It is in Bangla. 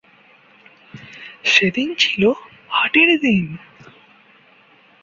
সে দিন ছিল হাটের দিন।